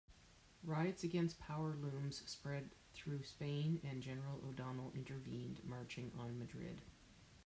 Riots against power looms spread through Spain, and General O'Donnell intervened, marching on Madrid.